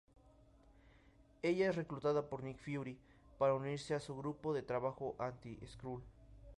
Ella es reclutada por Nick Fury para unirse a su grupo de trabajo anti-skrull.